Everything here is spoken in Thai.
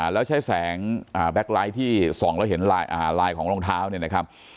แล้วใช้แสงแบคไลท์ที่ส่องแล้วเห็นลายของรองเท้า